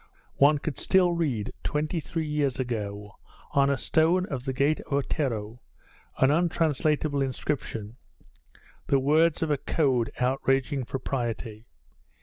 One could still read, twenty three years ago, on a stone of the gate of Otero, an untranslatable inscription the words of the code outraging propriety.